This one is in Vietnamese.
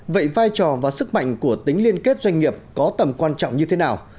vậy vai trò và sức mạnh của tính liên kết doanh nghiệp có tầm quan trọng như thế nào